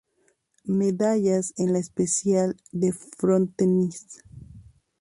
Medallas en la especialidad de frontenis.